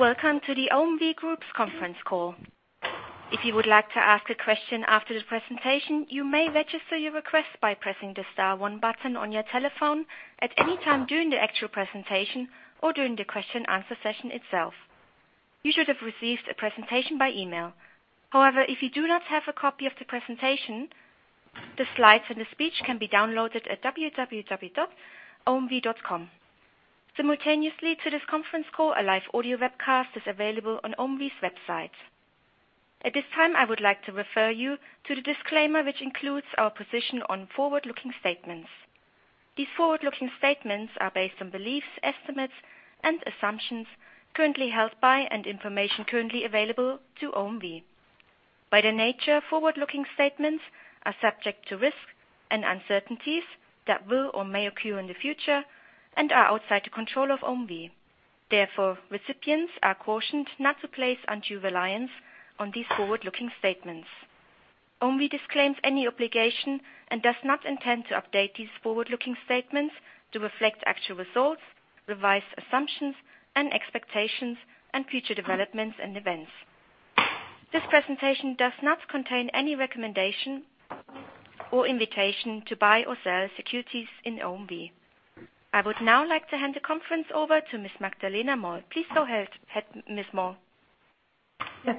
Welcome to the OMV Group's conference call. If you would like to ask a question after the presentation, you may register your request by pressing the star one button on your telephone at any time during the actual presentation or during the question answer session itself. You should have received a presentation by email. However, if you do not have a copy of the presentation, the slides and the speech can be downloaded at www.omv.com. Simultaneously to this conference call, a live audio webcast is available on OMV's website. At this time, I would like to refer you to the disclaimer, which includes our position on forward-looking statements. These forward-looking statements are based on beliefs, estimates, and assumptions currently held by and information currently available to OMV. By their nature, forward-looking statements are subject to risks and uncertainties that will or may occur in the future and are outside the control of OMV. Recipients are cautioned not to place undue reliance on these forward-looking statements. OMV disclaims any obligation and does not intend to update these forward-looking statements to reflect actual results, revised assumptions, and expectations and future developments and events. This presentation does not contain any recommendation or invitation to buy or sell securities in OMV. I would now like to hand the conference over to Ms. Magdalena Moll. Please go ahead, Ms. Moll.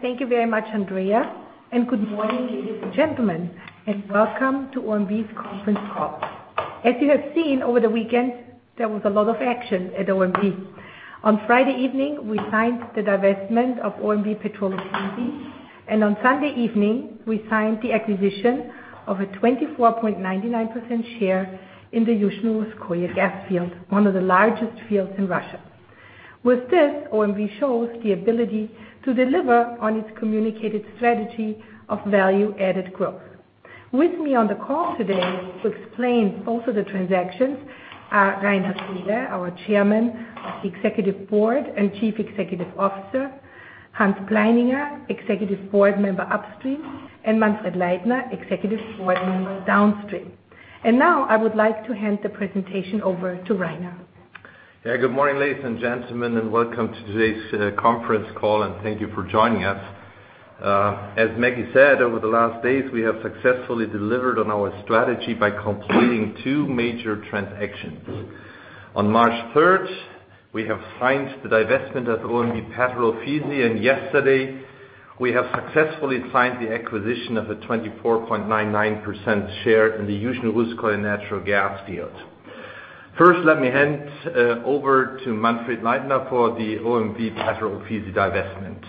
Thank you very much, Andrea. Good morning, ladies and gentlemen, and welcome to OMV's conference call. As you have seen over the weekend, there was a lot of action at OMV. On Friday evening, we signed the divestment of OMV Petrol Ofisi, and on Sunday evening, we signed the acquisition of a 24.99% share in the Yuzhno-Russkoye gas field, one of the largest fields in Russia. With this, OMV shows the ability to deliver on its communicated strategy of value-added growth. With me on the call today to explain both of the transactions are Rainer Seele, our chairman of the executive board and chief executive officer, Johann Pleininger, executive board member upstream, and Manfred Leitner, executive board member downstream. Now I would like to hand the presentation over to Rainer. Good morning, ladies and gentlemen, welcome to today's conference call, and thank you for joining us. As Maggie said, over the last days, we have successfully delivered on our strategy by completing two major transactions. On March 3rd, we have signed the divestment of OMV Petrol Ofisi, and yesterday, we have successfully signed the acquisition of a 24.99% share in the Yuzhno-Russkoye natural gas field. First, let me hand over to Manfred Leitner for the OMV Petrol Ofisi divestment.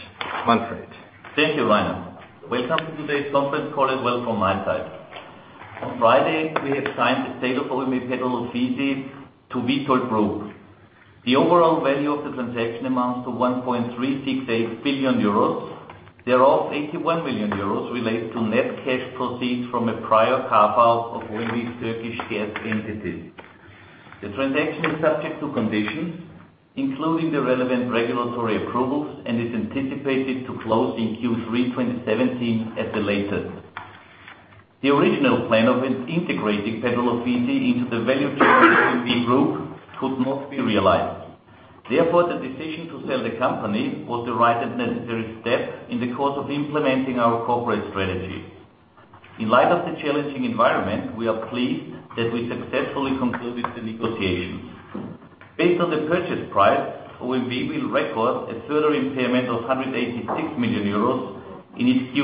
Manfred. Thank you, Rainer. Welcome to today's conference call as well from my side. On Friday, we have signed the sale of OMV Petrol Ofisi to Vitol Group. The overall value of the transaction amounts to 1.368 billion euros, thereof 81 million euros relates to net cash proceeds from a prior carve-out of OMV Turkish gas entity. The transaction is subject to conditions, including the relevant regulatory approvals and is anticipated to close in Q3 2017 at the latest. The original plan of integrating Petrol Ofisi into the value chain of OMV Group could not be realized. Therefore, the decision to sell the company was the right and necessary step in the course of implementing our corporate strategy. In light of the challenging environment, we are pleased that we successfully concluded the negotiations. Based on the purchase price, OMV will record a further impairment of 186 million euros in its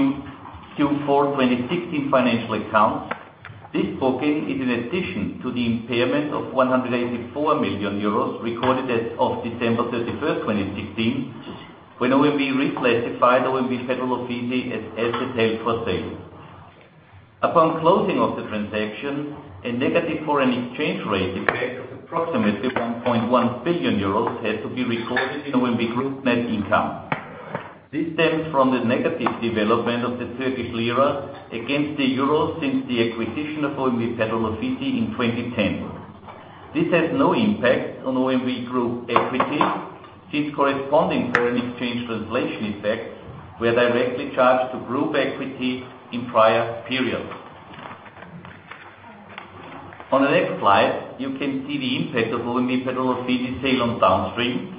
Q4 2016 financial accounts. This booking is in addition to the impairment of 184 million euros recorded as of December 31st, 2016, when OMV reclassified OMV Petrol Ofisi as asset held for sale. Upon closing of the transaction, a negative foreign exchange rate effect of approximately 1.1 billion euros has to be recorded in OMV Group net income. This stems from the negative development of the Turkish lira against the euro since the acquisition of OMV Petrol Ofisi in 2010. This has no impact on OMV Group equity since corresponding foreign exchange translation effects were directly charged to group equity in prior periods. On the next slide, you can see the impact of OMV Petrol Ofisi sale on downstream.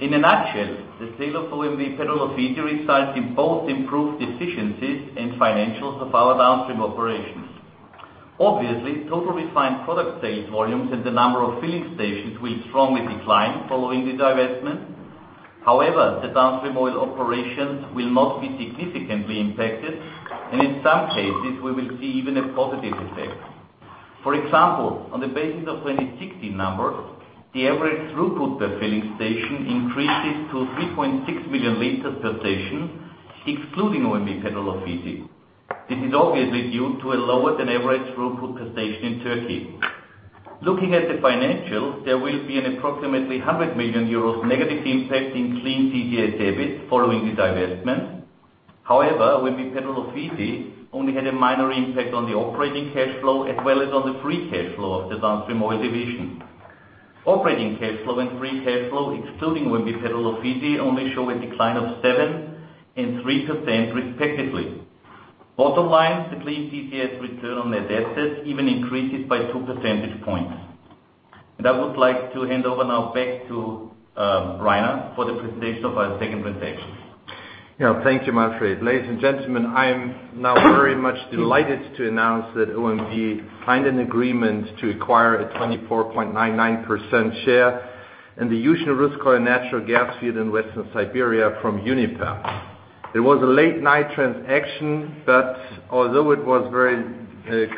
In a nutshell, the sale of OMV Petrol Ofisi results in both improved efficiencies and financials of our downstream operations. Obviously, total refined product sales volumes and the number of filling stations will strongly decline following the divestment. However, the downstream oil operations will not be significantly impacted, and in some cases, we will see even a positive effect. For example, on the basis of 2016 numbers, the average throughput per filling station increases to 3.6 million liters per station, excluding OMV Petrol Ofisi. This is obviously due to a lower than average throughput per station in Turkey. Looking at the financials, there will be an approximately 100 million euros negative impact in Clean CCS EBIT following the divestment. However, OMV Petrol Ofisi only had a minor impact on the operating cash flow as well as on the free cash flow of the downstream oil division. Operating cash flow and free cash flow, excluding OMV Petrol Ofisi, only show a decline of 7% and 3% respectively. Bottom line, the Clean CCS return on the net assets even increases by two percentage points. I would like to hand over now back to Rainer for the presentation of our second transaction. Thank you, Manfred. Ladies and gentlemen, I am now very much delighted to announce that OMV signed an agreement to acquire a 24.99% share in the Yuzhno-Russkoye natural gas field in Western Siberia from Uniper. It was a late-night transaction. Although it was very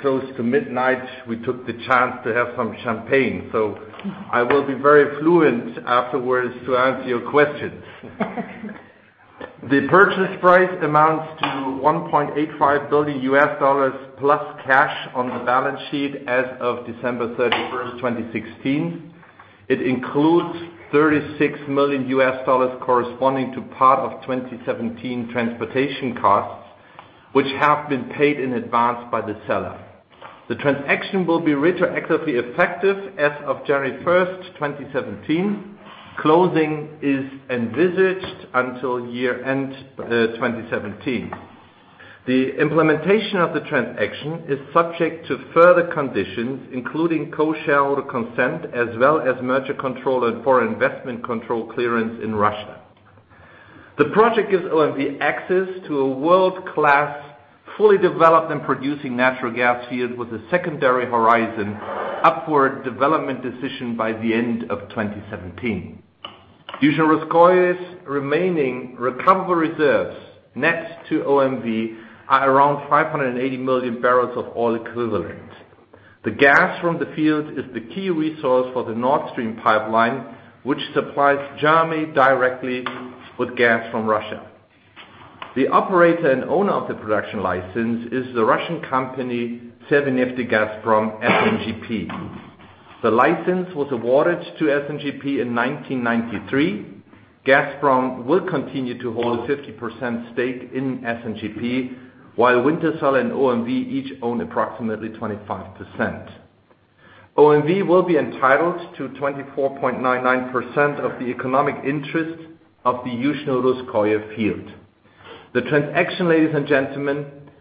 close to midnight, we took the chance to have some champagne. I will be very fluent afterwards to answer your questions. The purchase price amounts to $1.85 billion U.S. plus cash on the balance sheet as of December 31, 2016. It includes $36 million U.S., corresponding to part of 2017 transportation costs, which have been paid in advance by the seller. The transaction will be retroactively effective as of January 1, 2017. Closing is envisaged until year-end 2017. The implementation of the transaction is subject to further conditions, including co-shareholder consent, as well as merger control and foreign investment control clearance in Russia. The project gives OMV access to a world-class, fully developed and producing natural gas field with a secondary horizon up for a development decision by the end of 2017. Yuzhno-Russkoye's remaining recoverable reserves, net to OMV, are around 580 million barrels of oil equivalent. The gas from the field is the key resource for the Nord Stream pipeline, which supplies Germany directly with gas from Russia. The operator and owner of the production license is the Russian company, Severneftegazprom, SNGP. The license was awarded to SNGP in 1993. Gazprom will continue to hold a 50% stake in SNGP, while Wintershall and OMV each own approximately 25%. OMV will be entitled to 24.99% of the economic interest of the Yuzhno-Russkoye field.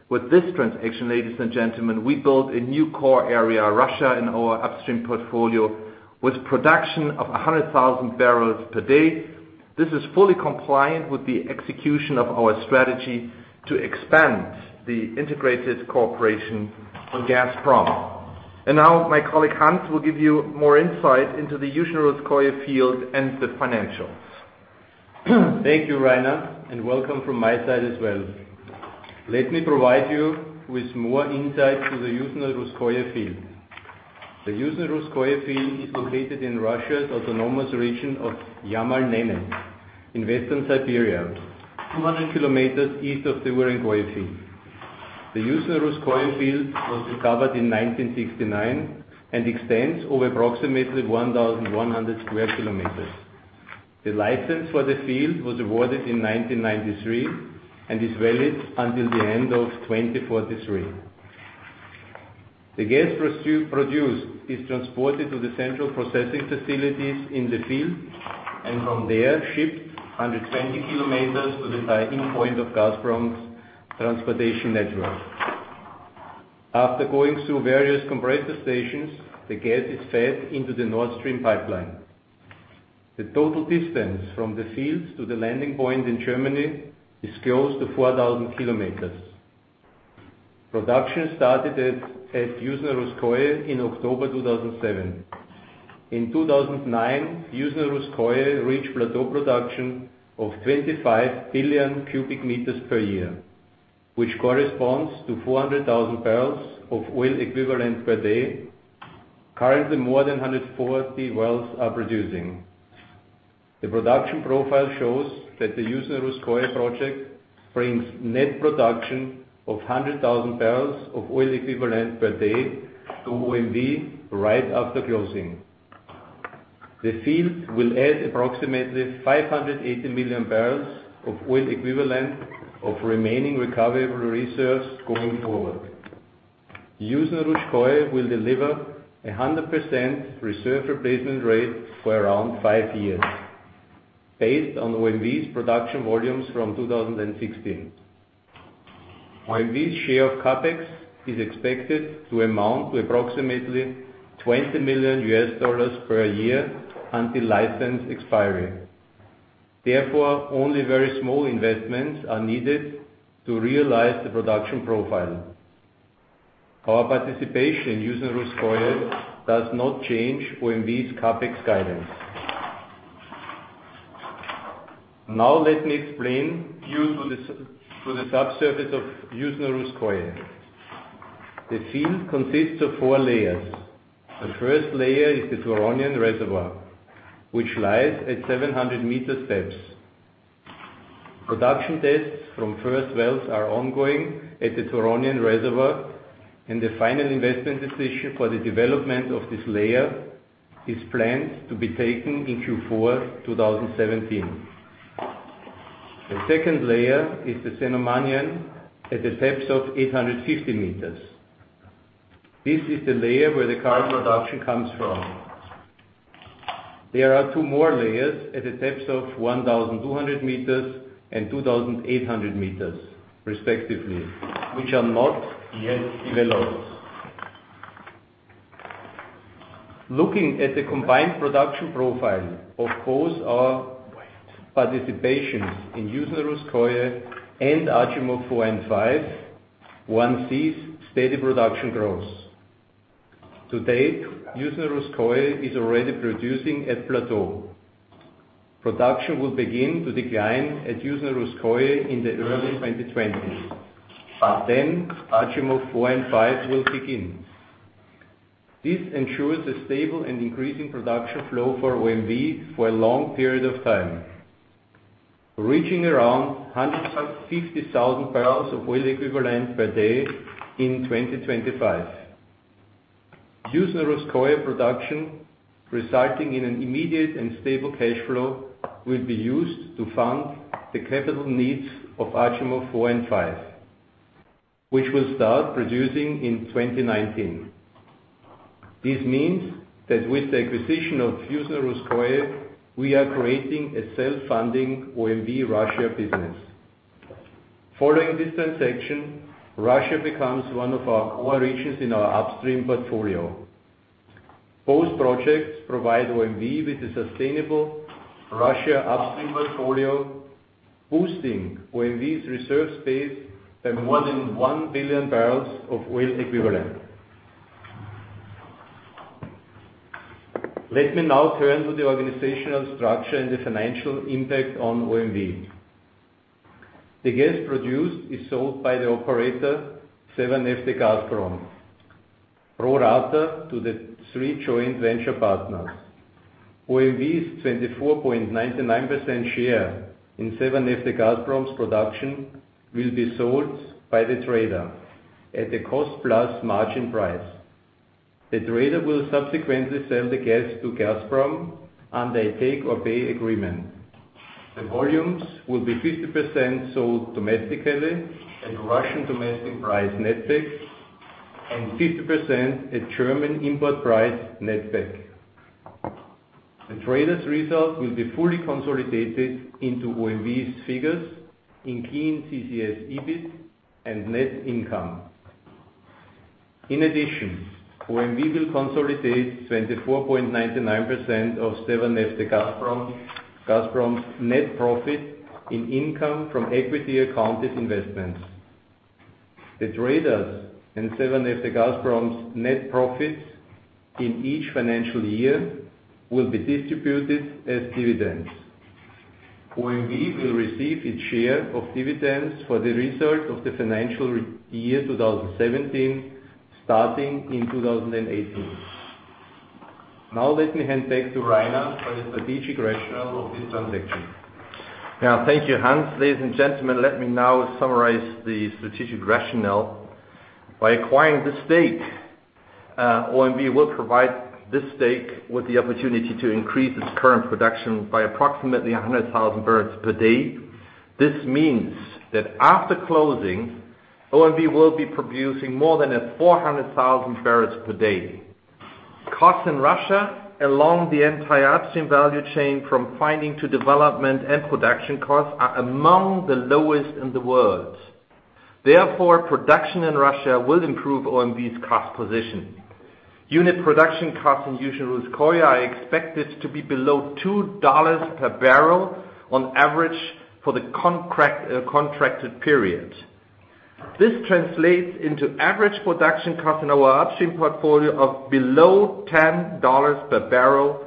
With this transaction, ladies and gentlemen, we build a new core area, Russia, in our upstream portfolio with production of 100,000 barrels per day. This is fully compliant with the execution of our strategy to expand the integrated cooperation with Gazprom. Now my colleague, Johann, will give you more insight into the Yuzhno-Russkoye field and the financials. Thank you, Rainer. Welcome from my side as well. Let me provide you with more insight to the Yuzhno-Russkoye field. The Yuzhno-Russkoye field is located in Russia's autonomous region of Yamal-Nenets, in Western Siberia, 200 kilometers east of the Ust-Balyk field. The Yuzhno-Russkoye field was discovered in 1969 and extends over approximately 1,100 square kilometers. The license for the field was awarded in 1993 and is valid until the end of 2043. The gas produced is transported to the central processing facilities in the field. From there, shipped 120 kilometers to the tie-in point of Gazprom's transportation network. After going through various compressor stations, the gas is fed into the Nord Stream pipeline. The total distance from the fields to the landing point in Germany is close to 4,000 kilometers. Production started at Yuzhno-Russkoye in October 2007. In 2009, Yuzhno-Russkoye reached plateau production of 25 billion cubic meters per year, which corresponds to 400,000 barrels of oil equivalent per day. Currently, more than 140 wells are producing. The production profile shows that the Yuzhno-Russkoye project brings net production of 100,000 barrels of oil equivalent per day to OMV right after closing. The field will add approximately 580 million barrels of oil equivalent of remaining recoverable reserves going forward. Yuzhno-Russkoye will deliver 100% reserve replacement rate for around five years based on OMV's production volumes from 2016. OMV's share of CapEx is expected to amount to approximately $20 million per year until license expiry. Therefore, only very small investments are needed to realize the production profile. Our participation in Yuzhno-Russkoye does not change OMV's CapEx guidance. Let me explain you to the subsurface of Yuzhno-Russkoye. The field consists of four layers. The first layer is the Turonian reservoir, which lies at 700 meters depth. Production tests from first wells are ongoing at the Turonian reservoir, and the final investment decision for the development of this layer is planned to be taken in Q4 2017. The second layer is the Cenomanian at a depth of 850 meters. This is the layer where the current production comes from. There are two more layers at a depth of 1,200 meters and 2,800 meters respectively, which are not yet developed. Looking at the combined production profile of both our participations in Yuzhno-Russkoye and Achimov 4 and 5, one sees steady production growth. To date, Yuzhno-Russkoye is already producing at plateau. Production will begin to decline at Yuzhno-Russkoye in the early 2020s, Achimov 4 and 5 will begin. This ensures a stable and increasing production flow for OMV for a long period of time, reaching around 150,000 barrels of oil equivalent per day in 2025. Yuzhno-Russkoye production, resulting in an immediate and stable cash flow, will be used to fund the capital needs of Achimov 4 and 5, which will start producing in 2019. This means that with the acquisition of Yuzhno-Russkoye, we are creating a self-funding OMV Russia business. Following this transaction, Russia becomes one of our core regions in our upstream portfolio. Both projects provide OMV with a sustainable Russia upstream portfolio, boosting OMV's reserve space by more than one billion barrels of oil equivalent. Let me now turn to the organizational structure and the financial impact on OMV. The gas produced is sold by the operator, Severneftegazprom, pro rata to the three joint venture partners. OMV's 24.99% share in Severneftegazprom's production will be sold by the trader at a cost-plus-margin price. The trader will subsequently sell the gas to Gazprom under a take-or-pay agreement. The volumes will be 50% sold domestically at Russian domestic price net back, and 50% at German import price net back. The trader's result will be fully consolidated into OMV's figures in Clean CCS EBIT and net income. In addition, OMV will consolidate 24.99% of Severneftegazprom's net profit in income from equity accounted investments. The traders in Severneftegazprom's net profits in each financial year will be distributed as dividends. OMV will receive its share of dividends for the result of the financial year 2017, starting in 2018. Let me hand back to Rainer for the strategic rationale of this transaction. Thank you, Hans. Ladies and gentlemen, let me now summarize the strategic rationale. By acquiring this stake, OMV will provide this stake with the opportunity to increase its current production by approximately 100,000 barrels per day. This means that after closing, OMV will be producing more than 400,000 barrels per day. Costs in Russia along the entire upstream value chain from finding to development and production costs are among the lowest in the world. Therefore, production in Russia will improve OMV's cost position. Unit production costs in Yuzhno-Russkoye are expected to be below EUR 2 per barrel on average for the contracted period. This translates into average production costs in our upstream portfolio of below EUR 10 per barrel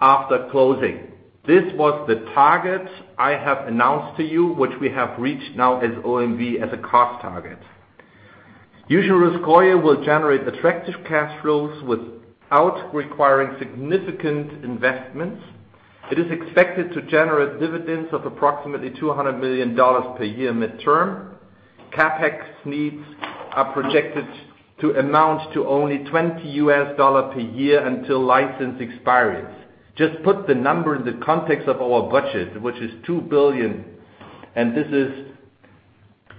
after closing. This was the target I have announced to you, which we have reached now as OMV as a cost target. Yuzhno-Russkoye will generate attractive cash flows without requiring significant investments. It is expected to generate dividends of approximately EUR 200 million per year midterm. CapEx needs are projected to amount to only $20 million per year until license expires. Just put the number in the context of our budget, which is 2 billion, and this is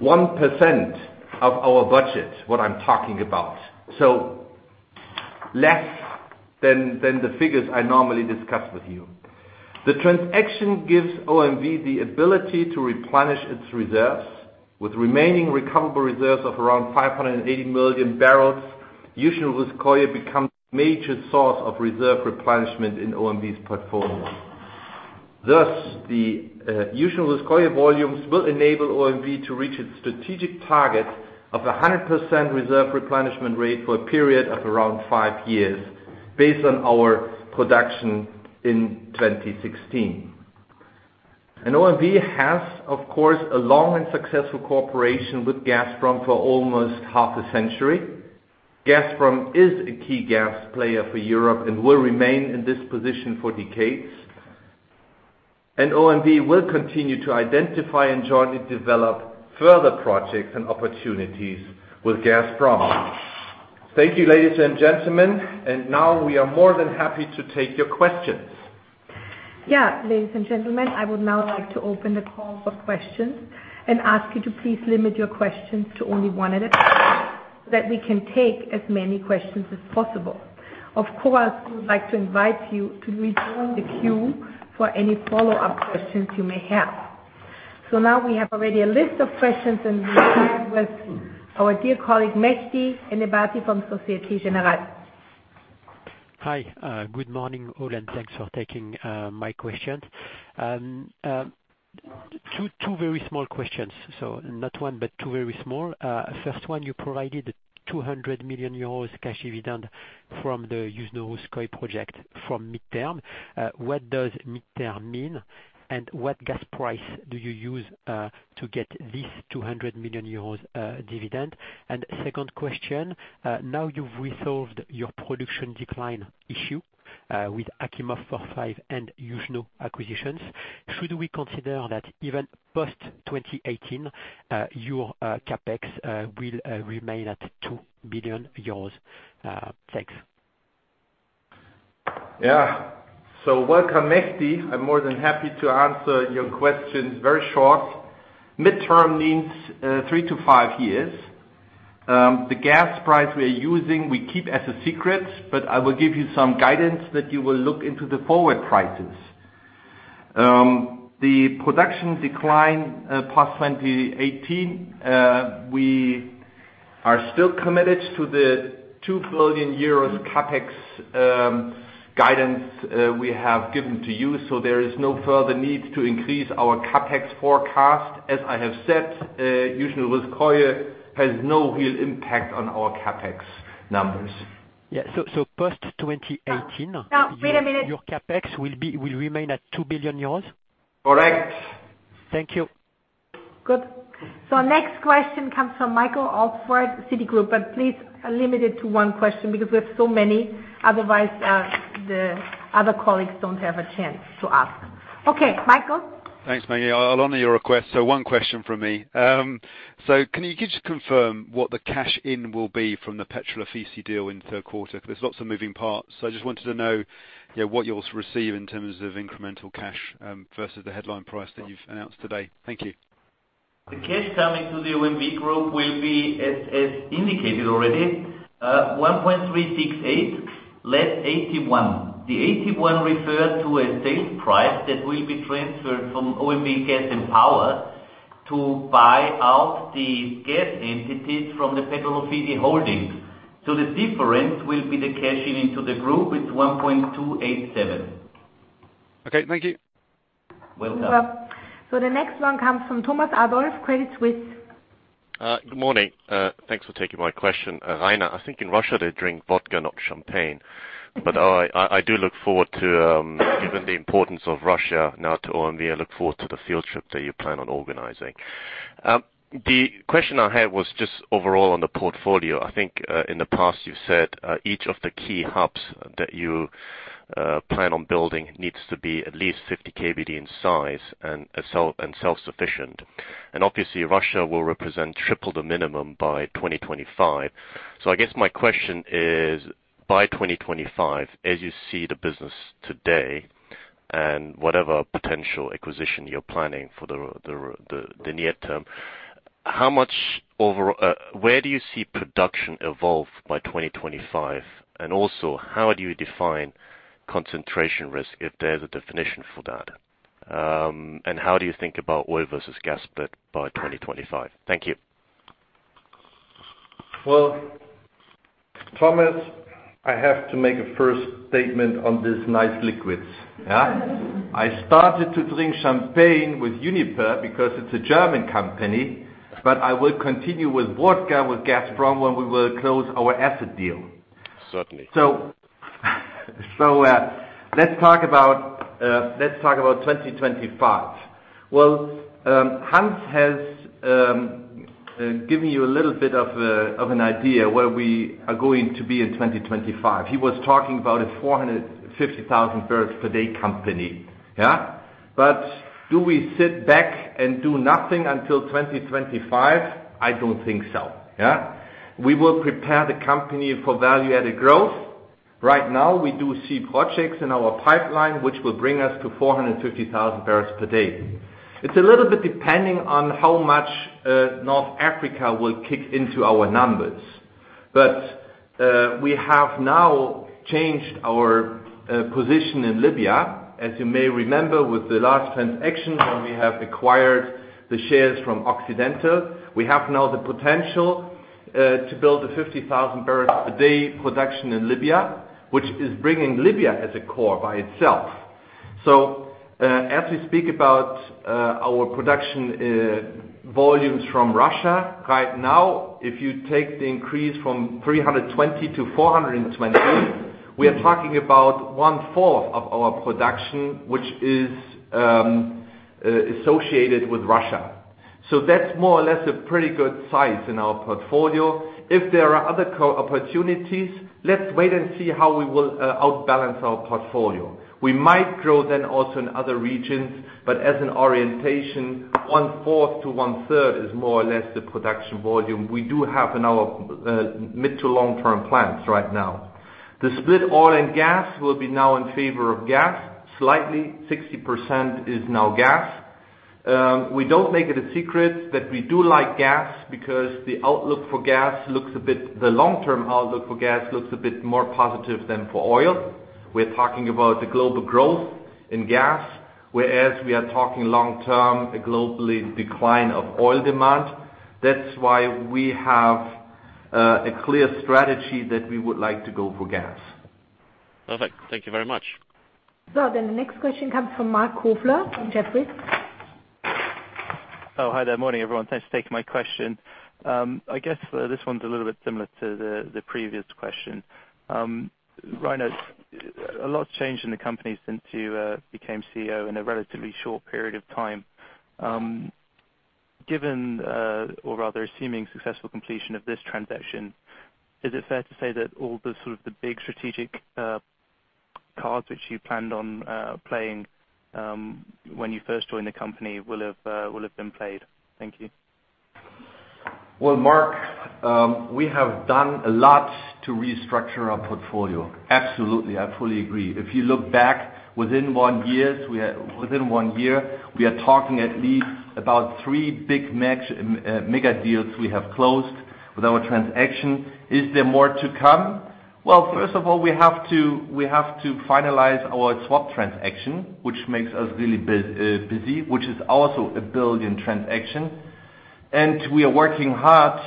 1% of our budget, what I am talking about, so less than the figures I normally discuss with you. The transaction gives OMV the ability to replenish its reserves. With remaining recoverable reserves of around 580 million barrels, Yuzhno-Russkoye becomes a major source of reserve replenishment in OMV's portfolio. Thus, the Yuzhno-Russkoye volumes will enable OMV to reach its strategic target of 100% reserve replenishment rate for a period of around five years based on our production in 2016. OMV has, of course, a long and successful cooperation with Gazprom for almost half a century. Gazprom is a key gas player for Europe and will remain in this position for decades. OMV will continue to identify and jointly develop further projects and opportunities with Gazprom. Thank you, ladies and gentlemen. Now we are more than happy to take your questions. Ladies and gentlemen, I would now like to open the call for questions and ask you to please limit your questions to only one at a time, so that we can take as many questions as possible. Of course, we would like to invite you to rejoin the queue for any follow-up questions you may have. Now we have already a list of questions, and we start with our dear colleague, Mehdi Ennebati from Société Générale. Hi. Good morning all, and thanks for taking my questions. Two very small questions. Not one, but two very small. First one, you provided 200 million euros cash dividend from the Yuzhno-Russkoye project from midterm. What does midterm mean? What gas price do you use to get this 200 million euros dividend? Second question, now you've resolved your production decline issue with Achimov 4/5 and Yuzhno acquisitions. Should we consider that even post 2018, your CapEx will remain at 2 billion euros? Thanks. Welcome, Mehdi. I'm more than happy to answer your questions very short. Midterm means three to five years. The gas price we are using, we keep as a secret, but I will give you some guidance that you will look into the forward prices. The production decline past 2018, we are still committed to the 2 billion euros CapEx guidance we have given to you. There is no further need to increase our CapEx forecast. As I have said, Yuzhno-Russkoye has no real impact on our CapEx numbers. Post 2018- Wait a minute. Your CapEx will remain at 2 billion euros? Correct. Thank you. Good. Next question comes from Michael Alford, Citigroup. Please limit it to one question because we have so many, otherwise the other colleagues don't have a chance to ask. Okay, Michael? Thanks, Maggie. I'll honor your request. One question from me. Can you just confirm what the cash in will be from the Petrol Ofisi deal in third quarter? There's lots of moving parts. I just wanted to know what you'll receive in terms of incremental cash, versus the headline price that you've announced today. Thank you. The cash coming to the OMV Group will be, as indicated already, 1.368 less 81. The 81 refers to a sales price that will be transferred from OMV Gas & Power to buy out the gas entities from the Petrol Ofisi holdings. The difference will be the cash in into the Group with 1.287. Okay, thank you. Welcome. The next one comes from Thomas Adolff, Credit Suisse. Good morning. Thanks for taking my question. Rainer, I think in Russia they drink vodka, not champagne. I do look forward to, given the importance of Russia now to OMV, I look forward to the field trip that you plan on organizing. The question I had was just overall on the portfolio. I think in the past you've said each of the key hubs that you plan on building needs to be at least 50 KBD in size and self-sufficient. Obviously Russia will represent triple the minimum by 2025. I guess my question is, by 2025, as you see the business today and whatever potential acquisition you're planning for the near term, where do you see production evolve by 2025? Also, how do you define concentration risk if there's a definition for that? How do you think about oil versus gas split by 2025? Thank you. Thomas, I have to make a first statement on this nice liquids. I started to drink champagne with Uniper because it's a German company, but I will continue with vodka with Gazprom when we will close our asset deal. Certainly. Let's talk about 2025. Hans has given you a little bit of an idea where we are going to be in 2025. He was talking about a 450,000 barrels per day company. Do we sit back and do nothing until 2025? I don't think so. We will prepare the company for value-added growth. Right now, we do see projects in our pipeline, which will bring us to 450,000 barrels per day. It's a little bit depending on how much North Africa will kick into our numbers. We have now changed our position in Libya. As you may remember with the last transaction when we have acquired the shares from Occidental. We have now the potential to build a 50,000 barrels per day production in Libya, which is bringing Libya as a core by itself. As we speak about our production volumes from Russia right now, if you take the increase from 320 to 420, we are talking about one fourth of our production, which is associated with Russia. That's more or less a pretty good size in our portfolio. If there are other opportunities, let's wait and see how we will outbalance our portfolio. We might grow then also in other regions, but as an orientation, one fourth to one third is more or less the production volume we do have in our mid to long-term plans right now. The split oil and gas will be now in favor of gas, slightly 60% is now gas. We don't make it a secret that we do like gas because the long-term outlook for gas looks a bit more positive than for oil. We're talking about the global growth in gas, whereas we are talking long-term, global decline of oil demand. That's why we have a clear strategy that we would like to go for gas. Perfect. Thank you very much. The next question comes from Marc Kofler from Jefferies. Hi there. Morning, everyone. Thanks for taking my question. I guess this one's a little bit similar to the previous question. Rainer, a lot's changed in the company since you became CEO in a relatively short period of time. Given, or rather assuming successful completion of this transaction, is it fair to say that all the sort of big strategic cards which you planned on playing when you first joined the company will have been played? Thank you. Well, Marc, we have done a lot to restructure our portfolio. Absolutely. I fully agree. If you look back within one year, we are talking at least about three big mega deals we have closed with our transaction. Is there more to come? Well, first of all, we have to finalize our swap transaction, which makes us really busy, which is also a 1 billion transaction. We are working hard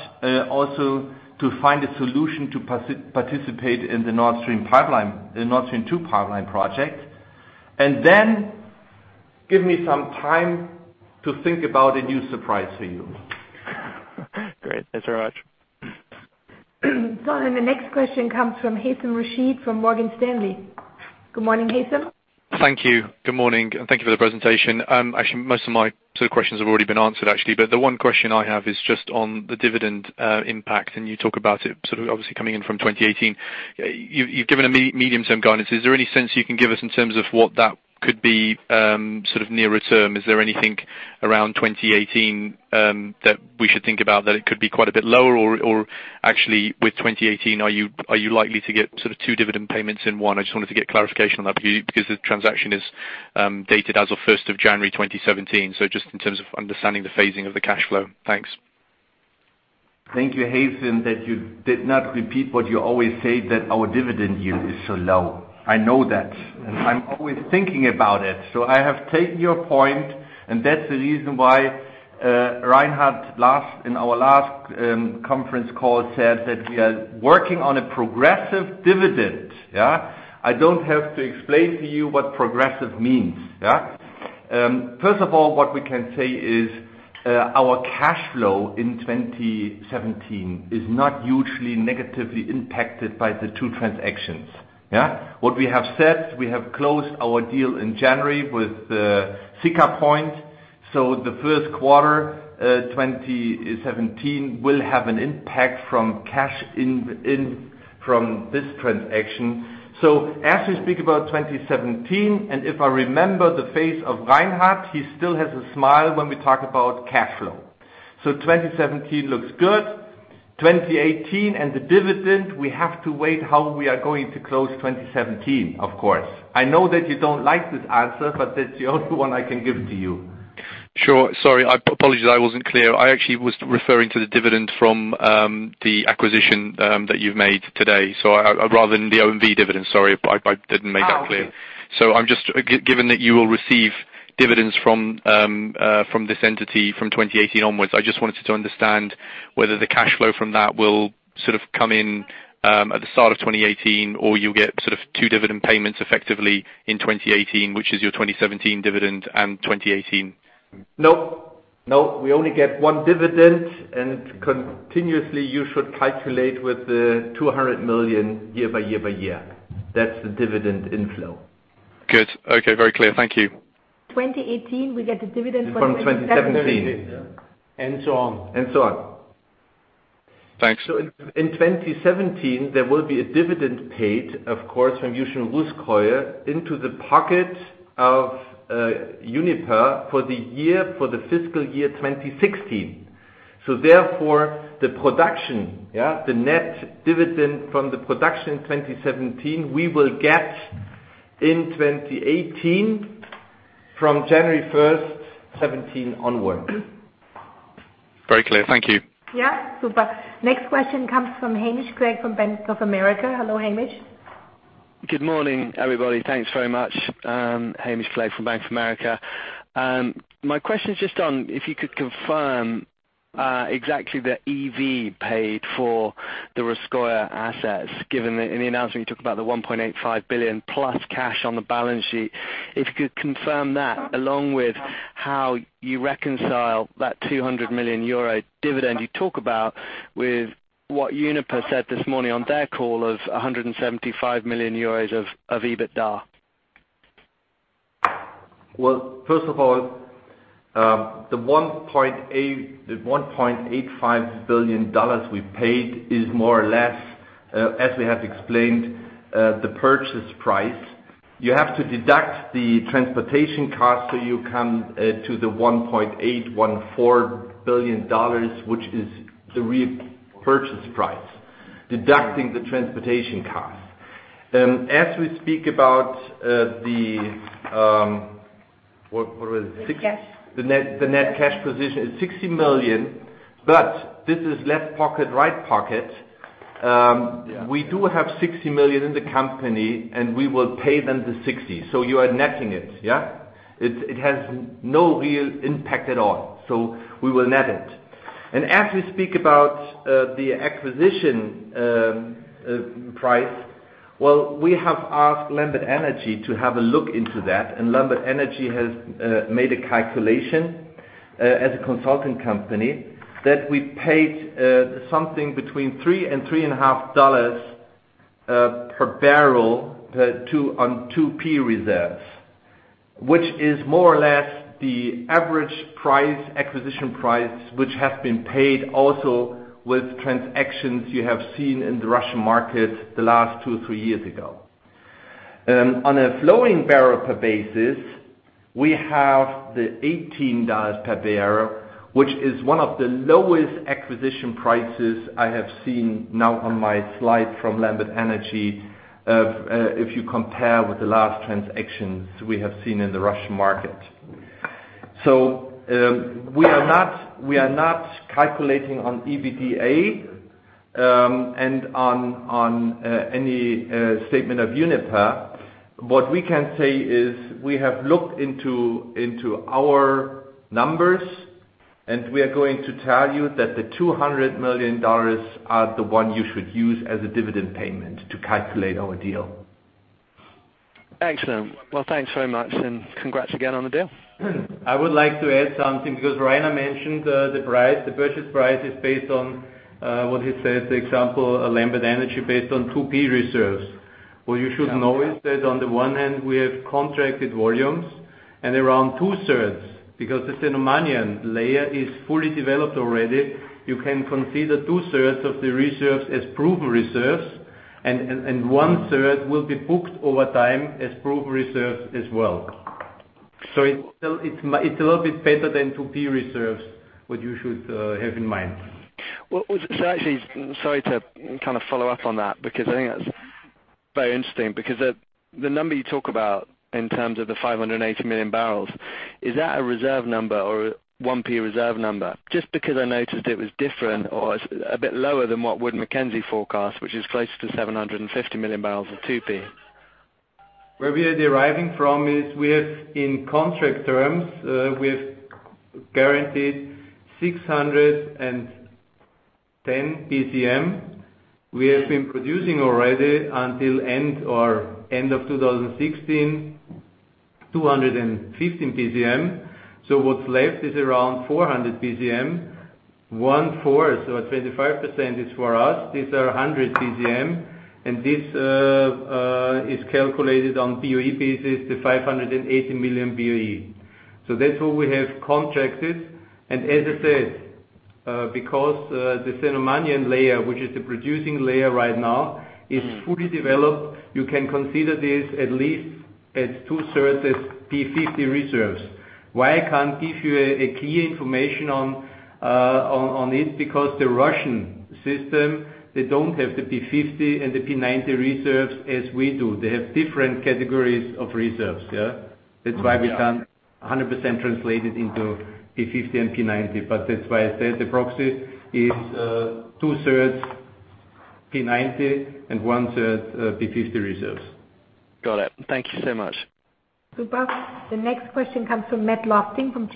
also to find a solution to participate in the Nord Stream 2 pipeline project. Then give me some time to think about a new surprise for you. Great. Thanks very much. The next question comes from Hazem Rasheed from Morgan Stanley. Good morning, Hazem. Thank you. Good morning, and thank you for the presentation. Actually, most of my sort of questions have already been answered actually, the one question I have is just on the dividend impact, and you talk about it sort of obviously coming in from 2018. You've given a medium-term guidance. Is there any sense you can give us in terms of what that could be sort of nearer term? Is there anything around 2018 that we should think about that it could be quite a bit lower? Actually with 2018, are you likely to get sort of two dividend payments in one? I just wanted to get clarification on that because the transaction is dated as of 1st of January 2017, so just in terms of understanding the phasing of the cash flow. Thanks. Thank you, Hazem, that you did not repeat what you always say, that our dividend yield is so low. I know that, and I'm always thinking about it. I have taken your point, and that's the reason why Reinhard in our last conference call said that we are working on a progressive dividend. Yeah. I don't have to explain to you what progressive means. First of all, what we can say is our cash flow in 2017 is not hugely negatively impacted by the two transactions. Yeah. What we have said, we have closed our deal in January with Siccar Point. The first quarter 2017 will have an impact from cash in from this transaction. As we speak about 2017, and if I remember the face of Reinhard, he still has a smile when we talk about cash flow. 2017 looks good. 2018 and the dividend, we have to wait how we are going to close 2017, of course. I know that you don't like this answer, that's the only one I can give to you. Sure. Sorry. I apologize I wasn't clear. I actually was referring to the dividend from the acquisition that you've made today. Rather than the OMV dividend, sorry, I didn't make that clear. Oh, okay. Given that you will receive dividends from this entity from 2018 onwards, I just wanted to understand whether the cash flow from that will sort of come in at the start of 2018, or you'll get sort of two dividend payments effectively in 2018, which is your 2017 dividend and 2018. No. We only get one dividend, continuously you should calculate with the 200 million year by year by year. That's the dividend inflow. Good. Okay. Very clear. Thank you. 2018, we get the dividend from 2017. From 2017. 2017, yeah. So on. So on. Thanks. In 2017, there will be a dividend paid, of course, from Yuzhno-Russkoye into the pocket of Uniper for the FY 2016. Therefore, the production, yeah, the net dividend from the production 2017, we will get in 2018 from January 1st, 2017 onward. Very clear. Thank you. Yeah. Super. Next question comes from Hamish Clegg from Bank of America. Hello, Hamish. Good morning, everybody. Thanks very much. Hamish Clegg from Bank of America. My question is just on if you could confirm exactly the EV paid for the Russkoye assets. Given that in the announcement you talked about the $1.85 billion plus cash on the balance sheet. If you could confirm that, along with how you reconcile that 200 million euro dividend you talk about with what Uniper said this morning on their call of 175 million euros of EBITDA. Well, first of all, the $1.85 billion we paid is more or less, as we have explained, the purchase price. You have to deduct the transportation cost, so you come to the $1.814 billion, which is the real purchase price, deducting the transportation cost. Cash The net cash position is $60 million, this is left pocket, right pocket. Yeah. We do have $60 million in the company, we will pay them the $60 million. You are netting it, yeah? It has no real impact at all. We will net it. As we speak about the acquisition price, well, we have asked Lambert Energy to have a look into that. Lambert Energy has made a calculation, as a consulting company, that we paid something between three and three and a half dollars per barrel on 2P reserves. Which is more or less the average acquisition price, which has been paid also with transactions you have seen in the Russian market the last two, three years ago. On a flowing barrel per basis, we have the $18 per barrel, which is one of the lowest acquisition prices I have seen now on my slide from Lambert Energy, if you compare with the last transactions we have seen in the Russian market. We are not calculating on EBITDA, on any statement of Uniper. What we can say is we have looked into our numbers, we are going to tell you that the $200 million are the one you should use as a dividend payment to calculate our deal. Excellent. Well, thanks very much, and congrats again on the deal. I would like to add something because Rainer mentioned the purchase price is based on what he said, for example, Lambert Energy based on 2P reserves. What you should know is that on the one hand, we have contracted volumes and around two-thirds because the Cenomanian layer is fully developed already. You can consider two-thirds of the reserves as proven reserves, and one-third will be booked over time as proven reserves as well. It's a little bit better than 2P reserves, what you should have in mind. Well, actually, sorry to kind of follow up on that, because I think that's very interesting because the number you talk about in terms of the 580 million barrels, is that a reserve number or 1P reserve number? Just because I noticed it was different or a bit lower than what Wood Mackenzie forecast, which is closer to 750 million barrels of 2P. Where we are deriving from is we have, in contract terms, we have guaranteed 610 bcm. We have been producing already until end of 2016, 215 bcm. What's left is around 400 bcm. One-fourth, 25% is for us. These are 100 bcm. This is calculated on boe basis to 580 million boe. That's what we have contracted. As I said, because the Cenomanian layer, which is the producing layer right now, is fully developed, you can consider this at least as two-thirds as P50 reserves. Why I can't give you a key information on it, because the Russian system, they don't have the P50 and the P90 reserves as we do. They have different categories of reserves, yeah? Oh, yeah. That's why we can't 100% translate it into P50 and P90. That's why I said the proxy is two-thirds P90 and one-third P50 reserves. Got it. Thank you so much. Super. The next question comes from Matthew Lofting from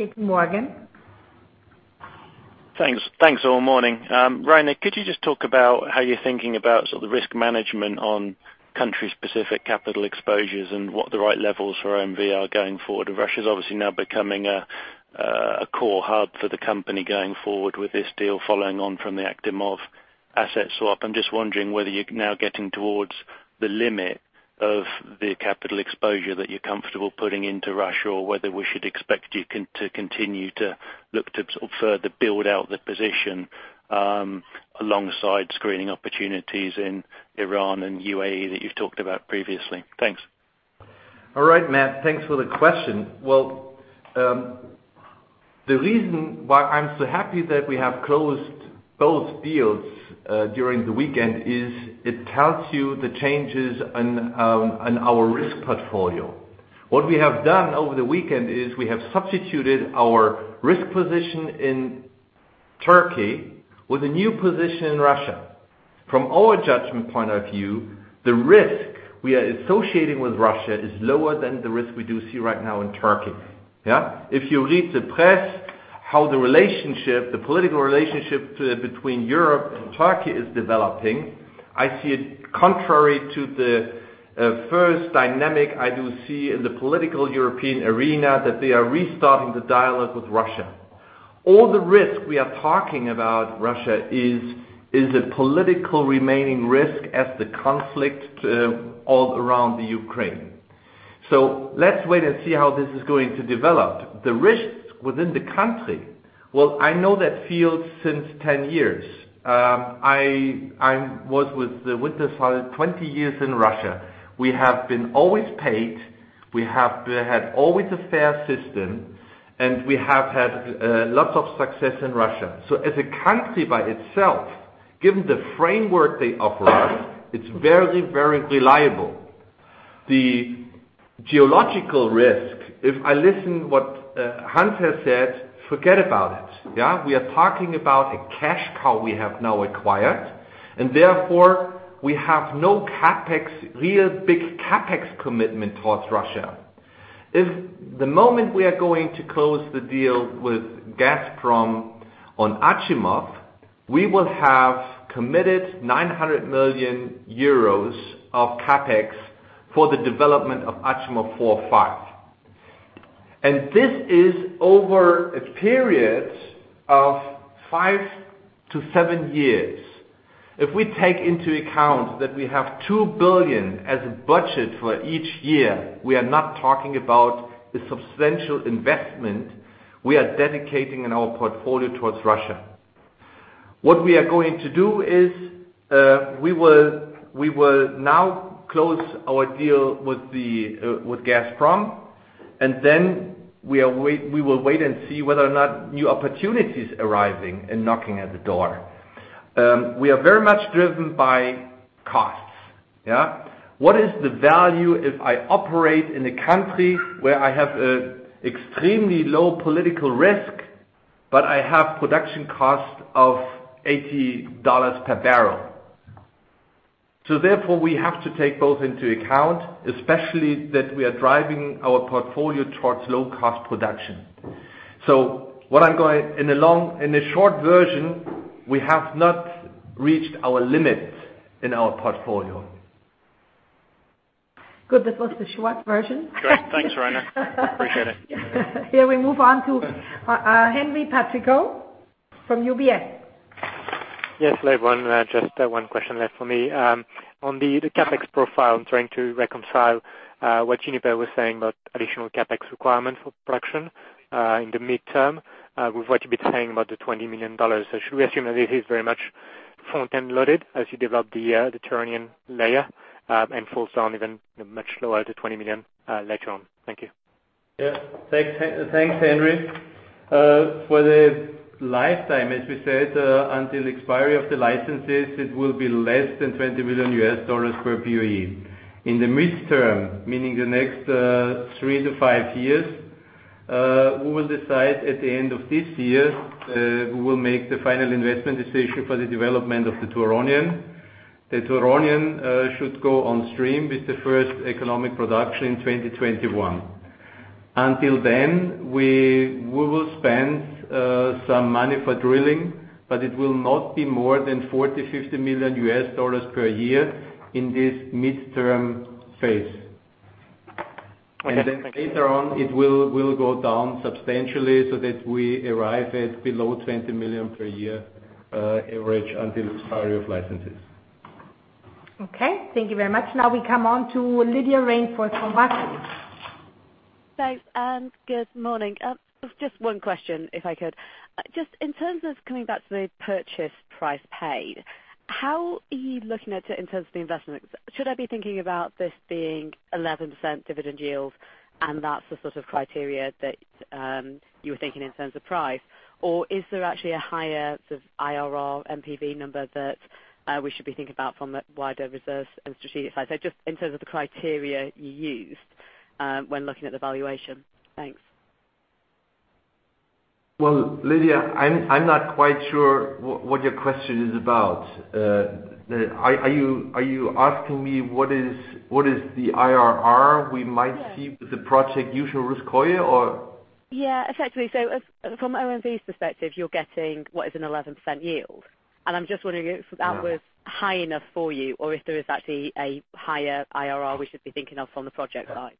JPMorgan. Thanks all morning. Rainer, could you just talk about how you're thinking about sort of the risk management on country-specific capital exposures and what the right levels for OMV are going forward? Russia's obviously now becoming a core hub for the company going forward with this deal, following on from the Achimov asset swap. I'm just wondering whether you're now getting towards the limit of the capital exposure that you're comfortable putting into Russia, or whether we should expect you to continue to look to sort of further build out the position, alongside screening opportunities in Iran and U.A.E. that you've talked about previously. Thanks. All right, Matt. Thanks for the question. The reason why I'm so happy that we have closed both deals during the weekend is it tells you the changes in our risk portfolio. What we have done over the weekend is we have substituted our risk position in Turkey with a new position in Russia. From our judgment point of view, the risk we are associating with Russia is lower than the risk we do see right now in Turkey. Yeah? If you read the press, how the political relationship between Europe and Turkey is developing, I see it contrary to the first dynamic I do see in the political European arena, that they are restarting the dialogue with Russia. All the risk we are talking about Russia is the political remaining risk as the conflict all around the Ukraine. Let's wait and see how this is going to develop. The risks within the country, I know that field since 10 years. I was with Wintershall 20 years in Russia. We have been always paid. We have had always a fair system, and we have had lots of success in Russia. As a country by itself, given the framework they offer us, it's very reliable. The geological risk, if I listen what Hans has said, forget about it. We are talking about a cash cow we have now acquired, and therefore we have no real big CapEx commitment towards Russia. If the moment we are going to close the deal with Gazprom on Achimov, we will have committed 900 million euros of CapEx for the development of Achimov 4 and 5. This is over a period of 5 to 7 years. If we take into account that we have 2 billion as a budget for each year, we are not talking about the substantial investment we are dedicating in our portfolio towards Russia. What we are going to do is, we will now close our deal with Gazprom, then we will wait and see whether or not new opportunities arriving and knocking at the door. We are very much driven by costs. What is the value if I operate in a country where I have extremely low political risk, but I have production cost of EUR 80 per barrel? Therefore, we have to take both into account, especially that we are driving our portfolio towards low-cost production. In a short version, we have not reached our limit in our portfolio. Good. That was the short version. Great. Thanks, Rainer. Appreciate it. Here we move on to Henri Patricot from UBS. Yes, everyone. Just one question left for me. On the CapEx profile, I'm trying to reconcile what Uniper was saying about additional CapEx requirement for production in the midterm, with what you've been saying about the EUR 20 million. Should we assume that it is very much front-end loaded as you develop the Turonian layer, and falls down even much lower to 20 million later on? Thank you. Thanks, Henri. For the lifetime, as we said, until expiry of the licenses, it will be less than EUR 20 billion per year. In the midterm, meaning the next three to five years, we will decide at the end of this year, we will make the final investment decision for the development of the Turonian. The Turonian should go on stream with the first economic production in 2021. Until then, we will spend some money for drilling, but it will not be more than EUR 40 million-EUR 50 million per year in this midterm phase. Thank you. Later on, it will go down substantially so that we arrive at below 20 million per year average until expiry of licenses. Thank you very much. We come on to Lydia Rainforth from Barclays. Thanks, and good morning. Just one question, if I could. In terms of coming back to the purchase price paid, how are you looking at it in terms of the investment? Should I be thinking about this being 11% dividend yield, and that's the sort of criteria that you were thinking in terms of price? Is there actually a higher sort of IRR NPV number that we should be thinking about from a wider reserves and strategic side? Just in terms of the criteria you used when looking at the valuation. Thanks. Lydia, I'm not quite sure what your question is about. Are you asking me what is the IRR we might- Yes see with the project Yuzhno-Russkoye or? Yeah. Essentially. From OMV's perspective, you're getting what is an 11% yield. I'm just wondering if that was high enough for you or if there is actually a higher IRR we should be thinking of on the project side.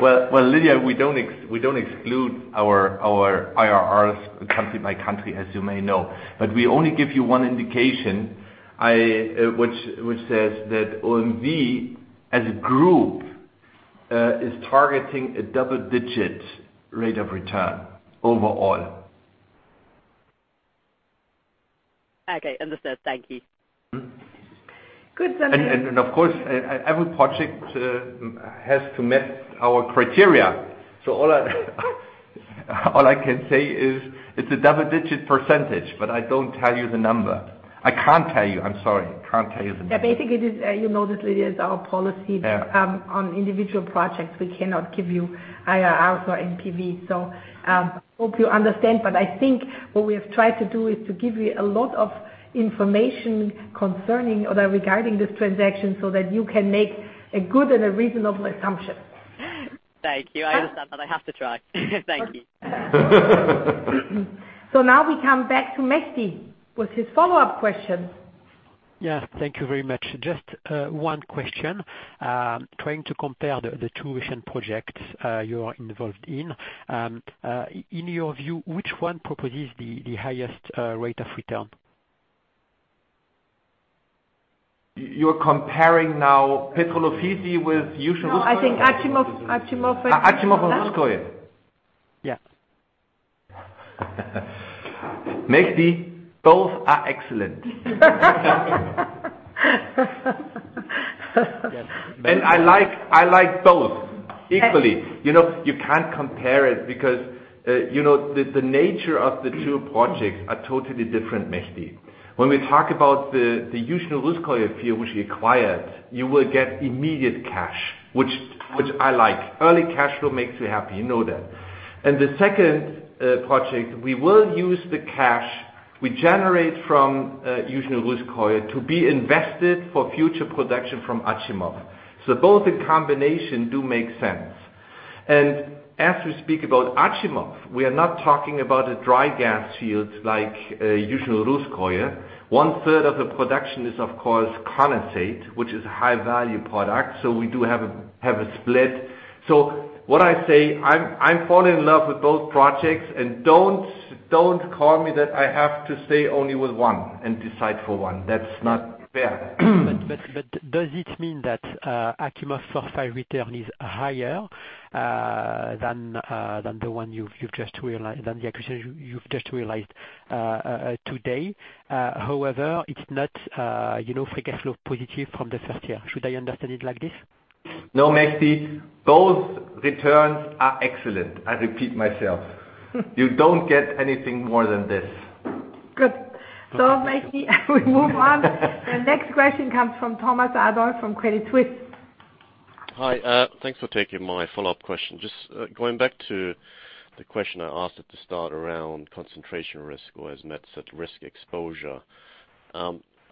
Well, Lydia, we don't exclude our IRRs country by country, as you may know. We only give you one indication, which says that OMV, as a group, is targeting a double-digit rate of return overall. Okay. Understood. Thank you. Good. Thank you. Of course, every project has to meet our criteria. All I can say is it's a double-digit percentage, I don't tell you the number. I can't tell you, I'm sorry. I can't tell you the number. Yeah, basically, you know this, Lydia, it's our policy- Yeah On individual projects. We cannot give you IRRs or NPV. Hope you understand. I think what we have tried to do is to give you a lot of information concerning or regarding this transaction so that you can make a good and a reasonable assumption. Thank you. I understand, but I have to try. Thank you. Now we come back to Mehdi with his follow-up question. Yeah. Thank you very much. Just one question. Trying to compare the two recent projects you are involved in. In your view, which one proposes the highest rate of return? You're comparing now Petrol Ofisi with Yuzhno-Russkoye? No, I think Achimov. Achimov and Russkoye. Yeah. Mehdi, both are excellent. I like both equally. You can't compare it because the nature of the two projects are totally different, Mehdi. When we talk about the Yuzhno-Russkoye field we acquired, you will get immediate cash, which I like. Early cash flow makes me happy, you know that. The second project, we will use the cash we generate from Yuzhno-Russkoye to be invested for future production from Achimov. Both in combination do make sense. As we speak about Achimov, we are not talking about a dry gas field like Yuzhno-Russkoye. One third of the production is, of course, condensate, which is a high-value product, so we do have a split. What I say, I'm falling in love with both projects, and don't call me that I have to stay only with one and decide for one. That's not fair. Does it mean that Achimov 4/5 return is higher than the acquisition you've just realized today, however, it's not free cash flow positive from the first year. Should I understand it like this? No, Mehdi, both returns are excellent. I repeat myself. You don't get anything more than this. Good. Mehdi, we move on. The next question comes from Thomas Adolff from Credit Suisse. Hi. Thanks for taking my follow-up question. Just going back to the question I asked at the start around concentration risk or asset risk exposure.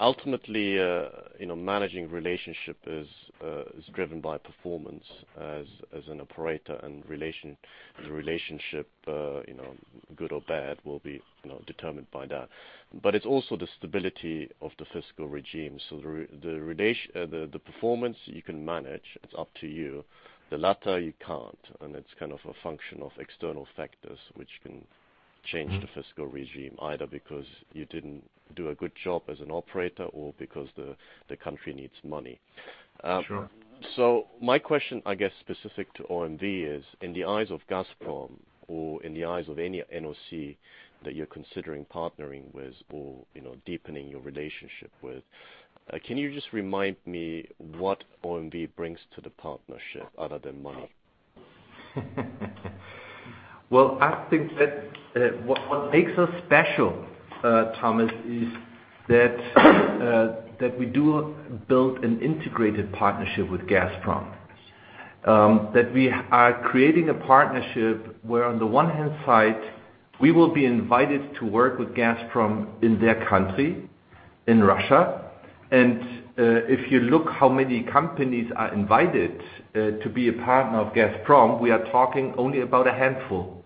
Ultimately, managing relationship is driven by performance as an operator, and the relationship, good or bad, will be determined by that. It's also the stability of the fiscal regime. The performance you can manage, it's up to you. The latter, you can't, and it's a function of external factors, which can change the fiscal regime, either because you didn't do a good job as an operator or because the country needs money. Sure. My question, I guess, specific to OMV is, in the eyes of Gazprom or in the eyes of any NOC that you're considering partnering with or deepening your relationship with, can you just remind me what OMV brings to the partnership other than money? Well, I think that what makes us special, Thomas, is that we do build an integrated partnership with Gazprom. We are creating a partnership where, on the one hand side, we will be invited to work with Gazprom in their country, in Russia, and if you look how many companies are invited to be a partner of Gazprom, we are talking only about a handful.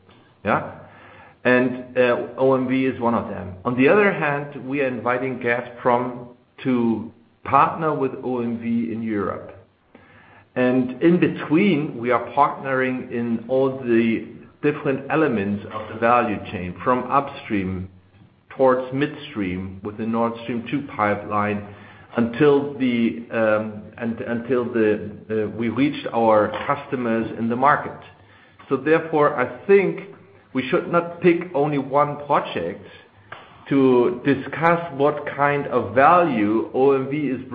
Yeah. OMV is one of them. On the other hand, we are inviting Gazprom to partner with OMV in Europe. In between, we are partnering in all the different elements of the value chain, from upstream towards midstream with the Nord Stream 2 pipeline, until we reach our customers in the market. Therefore, I think we should not pick only one project to discuss what kind of value OMV is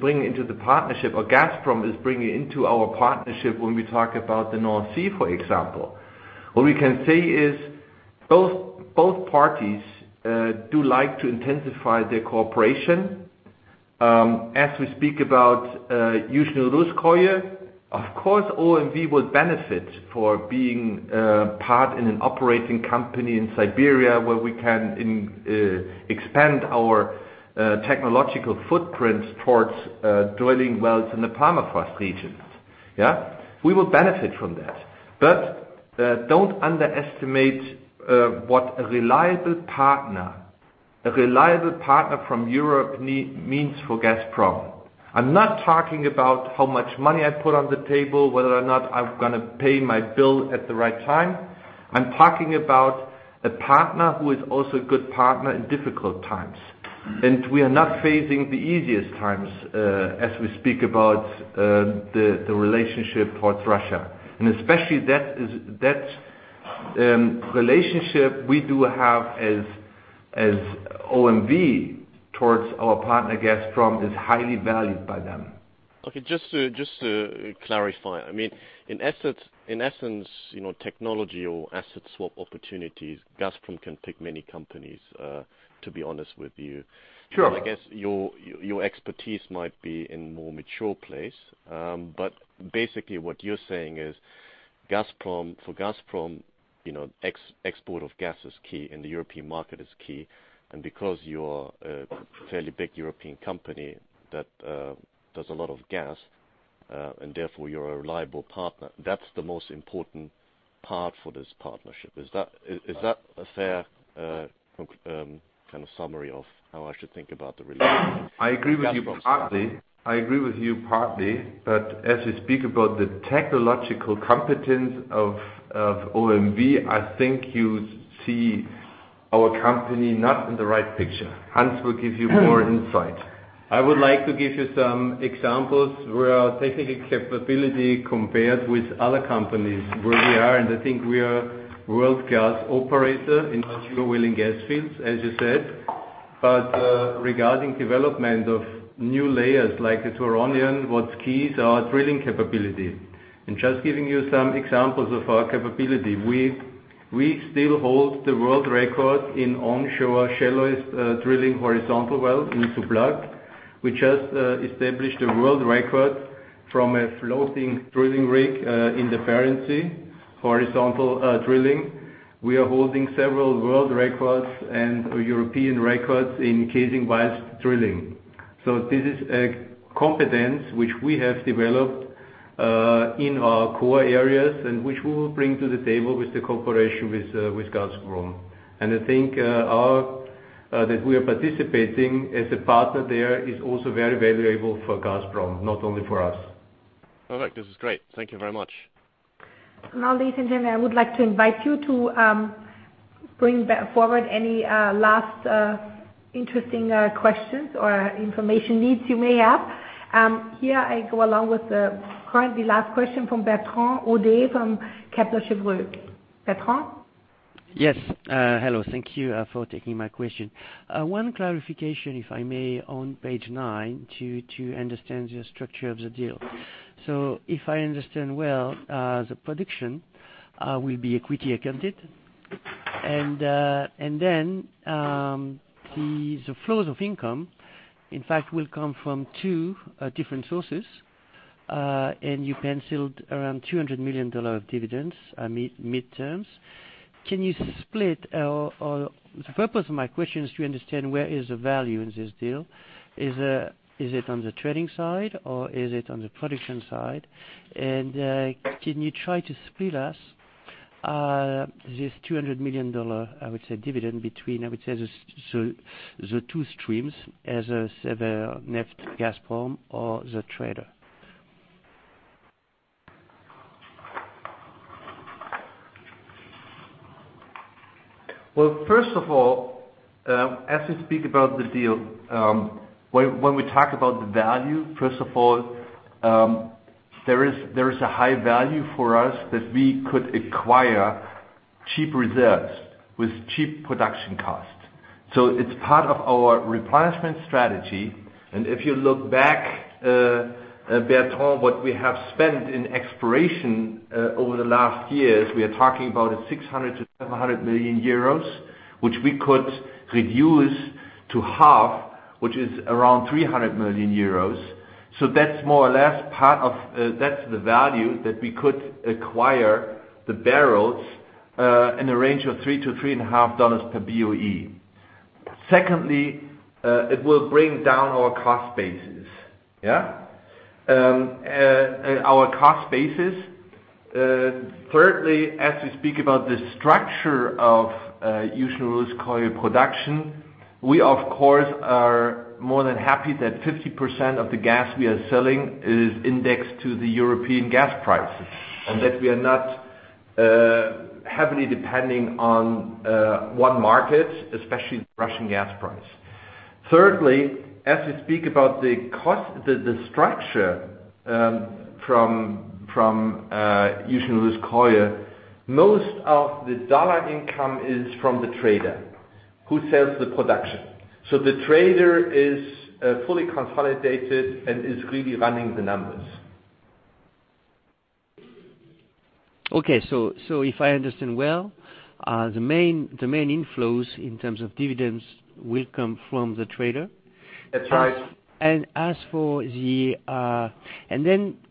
bringing into the partnership or Gazprom is bringing into our partnership when we talk about the North Sea, for example. What we can say is both parties do like to intensify their cooperation. As we speak about Yuzhno-Russkoye, of course, OMV will benefit for being part in an operating company in Siberia, where we can expand our technological footprint towards drilling wells in the permafrost regions. Yeah. We will benefit from that. Don't underestimate what a reliable partner from Europe means for Gazprom. I'm not talking about how much money I put on the table, whether or not I'm going to pay my bill at the right time. I'm talking about a partner who is also a good partner in difficult times. We are not facing the easiest times, as we speak about the relationship towards Russia. Especially that relationship we do have as OMV towards our partner, Gazprom, is highly valued by them. Okay. Just to clarify, in essence, technology or asset swap opportunities, Gazprom can pick many companies, to be honest with you. Sure. I guess your expertise might be in more mature place. Basically, what you're saying is, for Gazprom, export of gas is key and the European market is key. Because you're a fairly big European company that does a lot of gas, and therefore you're a reliable partner, that's the most important part for this partnership. Is that a fair summary of how I should think about the relationship? I agree with you partly. As we speak about the technological competence of OMV, I think you see our company not in the right picture. Johann will give you more insight. I would like to give you some examples where our technical capability compared with other companies, where we are, and I think we are world-class operator in offshore oil and gas fields, as you said. Regarding development of new layers, like the Turonian, what's key is our drilling capability. Just giving you some examples of our capability, we still hold the world record in onshore shallowest drilling horizontal well in Suplacu de Barcau. We just established a world record from a floating drilling rig in the North Sea, horizontal drilling. We are holding several world records and European records in casing while drilling. This is a competence which we have developed in our core areas and which we will bring to the table with the cooperation with Gazprom. I think that we are participating as a partner there is also very valuable for Gazprom, not only for us. Perfect. This is great. Thank you very much. Ladies and gentlemen, I would like to invite you to bring forward any last interesting questions or information needs you may have. Here I go along with the currently last question from Bertrand Hodée from Kepler Cheuvreux. Bertrand? Yes. Hello. Thank you for taking my question. One clarification, if I may, on page nine to understand the structure of the deal. If I understand well, the production will be equity accounted, and then the flows of income, in fact, will come from two different sources. You penciled around EUR 200 million of dividends mid-terms. The purpose of my question is to understand where is the value in this deal. Is it on the trading side or is it on the production side? Can you try to split us this EUR 200 million, I would say, dividend between the two streams as Severneftegazprom or the trader? Well, first of all, as we speak about the deal, when we talk about the value, first of all, there is a high value for us that we could acquire cheap reserves with cheap production costs. It's part of our replacement strategy. If you look back, Bertrand, what we have spent in exploration over the last years, we are talking about 600 million-700 million euros, which we could reduce to half, which is around 300 million euros. That's more or less the value that we could acquire the barrels in the range of $3-$3.5 per boe. Secondly, it will bring down our cost basis. Thirdly, as we speak about the structure of Yuzhno-Russkoye production, we of course are more than happy that 50% of the gas we are selling is indexed to the European gas prices, and that we are not heavily depending on one market, especially the Russian gas price. Thirdly, as we speak about the structure from Yuzhno-Russkoye, most of the dollar income is from the trader who sells the production. The trader is fully consolidated and is really running the numbers. Okay. If I understand well, the main inflows in terms of dividends will come from the trader? That's right.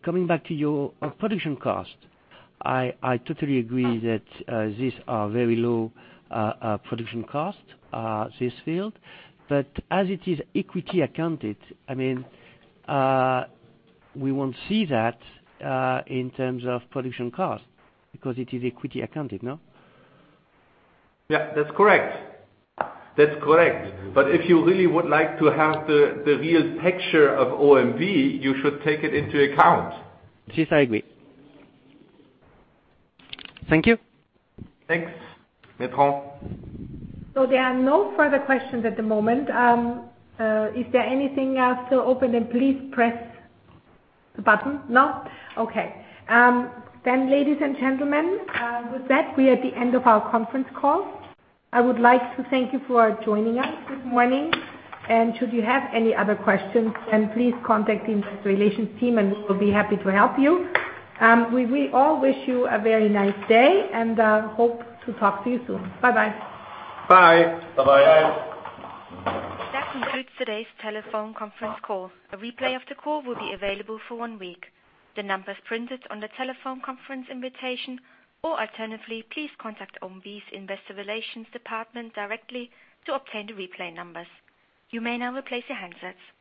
Coming back to your production cost, I totally agree that these are very low production costs, this field. As it is equity accounted, we won't see that in terms of production cost because it is equity accounted, no? Yeah, that's correct. If you really would like to have the real picture of OMV, you should take it into account. This I agree. Thank you. Thanks, Bertrand. There are no further questions at the moment. Is there anything else still open, then please press the button. No. Okay. Ladies and gentlemen, with that, we are at the end of our conference call. I would like to thank you for joining us this morning. Should you have any other questions, then please contact the investor relations team and we will be happy to help you. We all wish you a very nice day and hope to talk to you soon. Bye-bye. Bye. Bye-bye. That concludes today's telephone conference call. A replay of the call will be available for one week. The number is printed on the telephone conference invitation, or alternatively, please contact OMV's investor relations department directly to obtain the replay numbers. You may now replace your handsets.